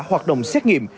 hoạt động xét nghiệm